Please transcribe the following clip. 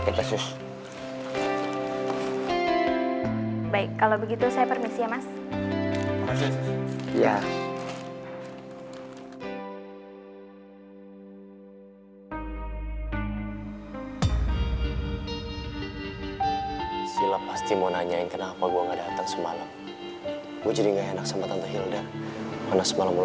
itu paling ganteng ini misroh entah dari mana datang dari planet antar berantah kali ini